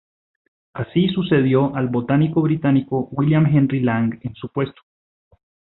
Así sucedió al botánico británico William Henry Lang en su puesto.